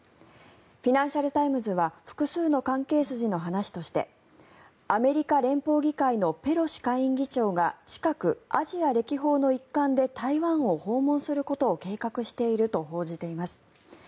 フィナンシャル・タイムズは複数の関係筋の話としてアメリカ連邦議会のペロシ下院議長が近く、アジア歴訪の一環で台湾を訪問することを計画していると報じています。